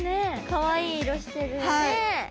かわいい色してるね。